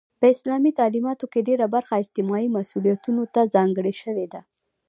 په اسلامي تعلیماتو کې ډيره برخه اجتماعي مسئولیتونو ته ځانګړې شوی ده.